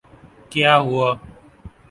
کیا ہوا؟